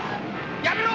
やめろ！